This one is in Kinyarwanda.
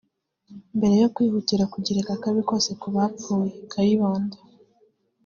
Mbere yo kwihutira kugereka akabi kose ku bapfuye (Kayibanda